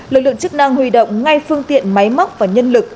lực lượng chức năng huy động ngay phương tiện máy móc và nhân lực